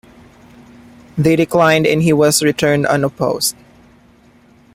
They declined and he was returned unopposed.